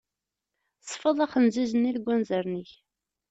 Sfeḍ axenziz-nni deg anzaren-ik.